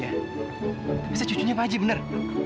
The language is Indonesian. tapi saya cucunya pak haji bener